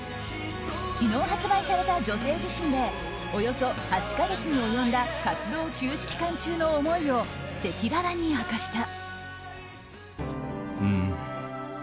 昨日発売された「女性自身」でおよそ８か月に及んだ活動休止期間中の思いを赤裸々に明かした。